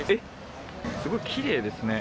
すごいきれいですね。